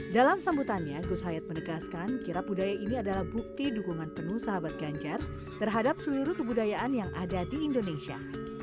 dalam sambutannya gus hayat menegaskan kirap budaya ini adalah bukti dukungan penuh sahabat ganjar terhadap seluruh kebudayaan yang ada di indonesia